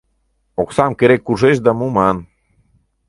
Оксам керек-кушеч да муман.